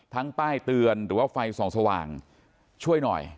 ป้ายเตือนหรือว่าไฟส่องสว่างช่วยหน่อย